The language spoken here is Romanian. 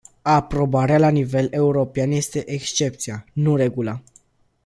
Aprobarea la nivel european este excepția, nu regula.